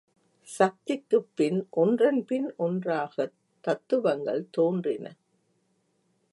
சக்திக்குப் பின் ஒன்றன்பின் ஒன்றாகத் தத்துவங்கள் தோன்றின.